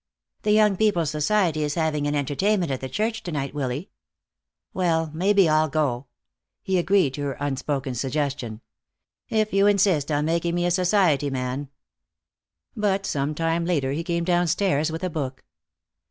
"The Young People's Society is having an entertainment at the church to night, Willy." "Well, maybe I'll go," he agreed to her unspoken suggestion. "If you insist on making me a society man " But some time later he came downstairs with a book.